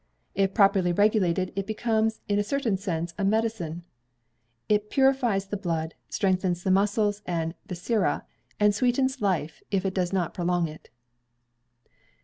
If properly regulated, it becomes in a certain sense a medicine. It purifies the blood, strengthens the muscles and viscera, and sweetens life if it does not prolong it."